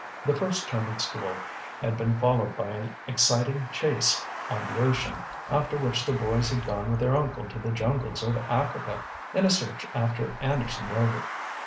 The first term at school had been followed by an exciting chase on the ocean, after which the boys had gone with their uncle to the jungles of Africa, in a search after Anderson Rover.